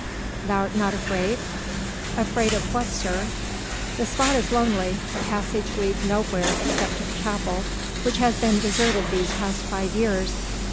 Thou'rt not afraid?" "Afraid of what, sir?" "The spot is lonely, the passage leads nowhere except to the chapel, which has been deserted these past five years."